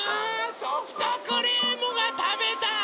ソフトクリームがたべたい！